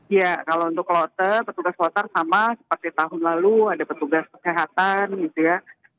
ya kalau untuk lote petugas kloter sama seperti tahun lalu ada petugas kesehatan gitu ya